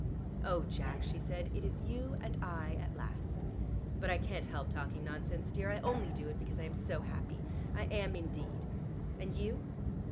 "Oh, Jack," she said, "it is you and I at last. But I can't help talking nonsense, dear. I only do it because I'm so happy. I am indeed. And you?"